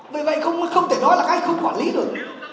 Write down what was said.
vì vậy không thể nói là các anh không quản lý được